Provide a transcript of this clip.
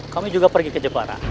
kami juga pergi ke jepara